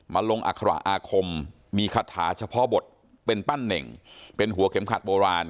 ลงอัคระอาคมมีคาถาเฉพาะบทเป็นปั้นเน่งเป็นหัวเข็มขัดโบราณ